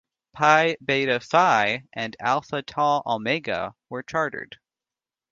Pi Beta Phi and Alpha Tau Omega were chartered.